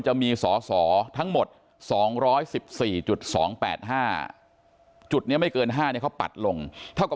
จะมีสอสอทั้งหมด๒๑๔๒๘๕จุดนี้ไม่เกิน๕เนี่ยเขาปัดลงเท่ากับ